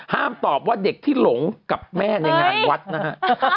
ตอบว่าเด็กที่หลงกับแม่ในงานวัดนะฮะ